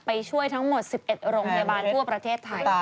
ช่วยทั้งหมด๑๑โรงพยาบาลทั่วประเทศไทย